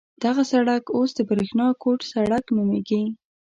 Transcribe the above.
دغه سړک اوس د برېښنا کوټ سړک نومېږي.